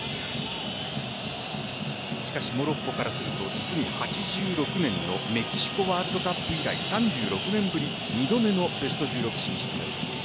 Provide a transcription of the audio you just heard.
しかし、モロッコからすると実に８６年のメキシコワールドカップ以来３６年ぶり２度目のベスト１６進出です。